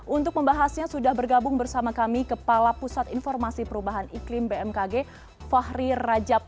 untuk membahasnya sudah bergabung bersama kami kepala pusat informasi perubahan iklim bmkg fahri rajab